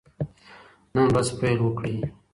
نن ورځ پیل وکړئ.